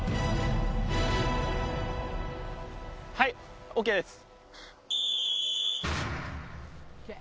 はいＯＫです